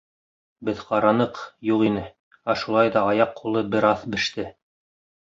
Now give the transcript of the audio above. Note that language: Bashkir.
— Беҙ ҡараныҡ, юҡ ине, ә шулай ҙа аяҡ-ҡулы бер аҙ беште.